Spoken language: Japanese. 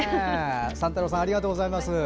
サンタロウさんありがとうございます。